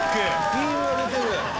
ビームが出てる！